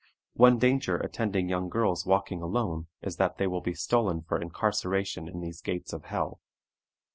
One danger attending young girls walking alone is that they will be stolen for incarceration in these gates of hell."